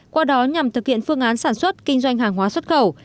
qua đó nhằm thực hiện phương án sản xuất kinh doanh hàng hóa xuất khẩu